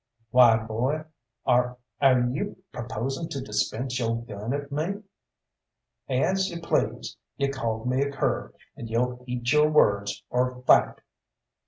"Why, boy, air you proposin' to dispense yo' gun at me?" "As you please! You called me a cur and you'll eat your words or fight!"